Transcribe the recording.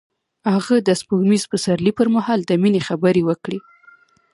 هغه د سپوږمیز پسرلی پر مهال د مینې خبرې وکړې.